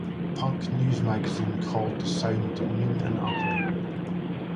Punk News magazine called the sound mean and ugly.